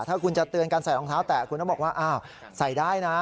ถ้าคุณจะเตือนการใส่รองเท้าแตะคุณต้องบอกว่าอ้าวใส่ได้นะ